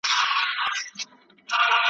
ماته مه راځه واعظه چي ما نغده سودا وکړه .